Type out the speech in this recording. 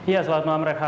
ya selamat malam rekha